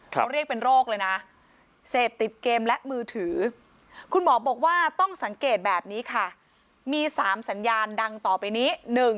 เขาเรียกเป็นโรคเลยนะเสพติดเกมและมือถือคุณหมอบอกว่าต้องสังเกตแบบนี้ค่ะมี๓สัญญาณดังต่อไปนี้